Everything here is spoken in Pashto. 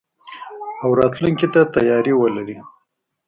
او راتلونکي ته تياری ولري.